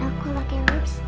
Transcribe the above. aduh aku lagi lipstick